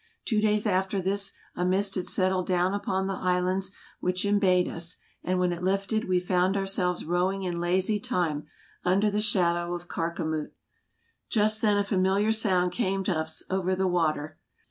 ... Two days after this, a mist had settled down upon the islands which em bayed us, and when it lifted we found ourselves rowing in lazy time, under the shadow of Karkamoot. Just then a familiar sound came to us over the water.